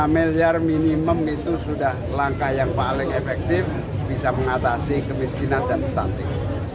lima miliar minimum itu sudah langkah yang paling efektif bisa mengatasi kemiskinan dan stunting